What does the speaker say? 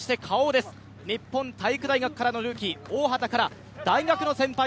Ｋａｏ、日本体育大学からのルーキー、大畑から大学の先輩